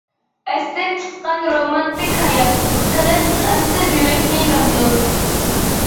ئەستىن چىققان رومانتىك ھايات، قىلىپ غەمسىز يۈرەكنى مەمنۇن.